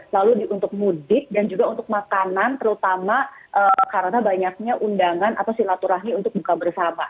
lalu untuk mudik dan juga untuk makanan terutama karena banyaknya undangan atau silaturahmi untuk buka bersama